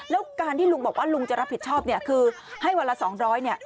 แล้วการที่ลุงบอกว่าลุงจะรับผิดชอบเนี่ยคือให้วันละ๒๐๐เนี่ย